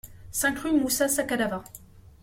cinq rue Moussa Sakalava